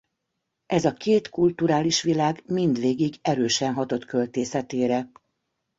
Ez a két kulturális világ mindvégig erősen hatott költészetére.